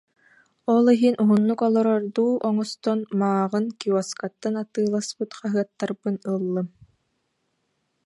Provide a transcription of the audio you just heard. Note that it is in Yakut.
Ол иһин уһуннук олорордуу оҥостон, мааҕын киоскаттан атыыласпыт хаһыаттарбын ыллым